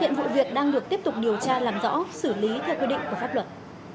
hiện vụ việc đang được tiếp tục điều tra làm rõ xử lý theo quy định của pháp luật